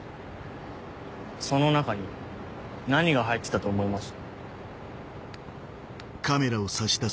その中に何が入ってたと思います？